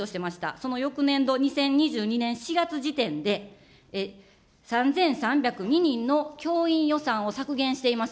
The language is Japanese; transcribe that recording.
その翌年度、２０２２年度４月時点で、３３０２人の教員予算を削減しています。